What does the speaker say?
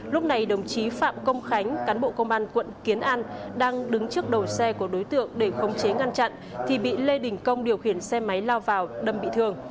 lúc này đồng chí phạm công khánh cán bộ công an quận kiến an đang đứng trước đầu xe của đối tượng để khống chế ngăn chặn thì bị lê đình công điều khiển xe máy lao vào đâm bị thương